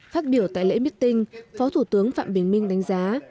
phát biểu tại lễ miết tinh phó thủ tướng phạm bình minh đánh giá